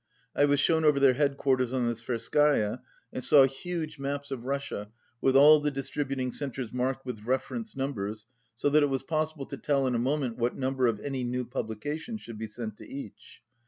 I was shown over their headquarters on the Tverskaya, and saw huge maps of Russia with all the distributing cen tres marked with reference numbers so that it was possible to tell in a moment what number of any new publication should be sent to each.